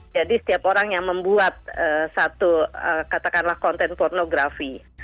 jadi setiap orang yang membuat satu katakanlah konten pornografi